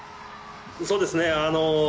そうですね。